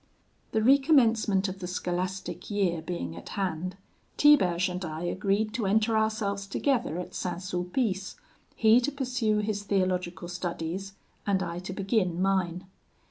"The recommencement of the scholastic year being at hand, Tiberge and I agreed to enter ourselves together at St. Sulpice, he to pursue his theological studies, and I to begin mine.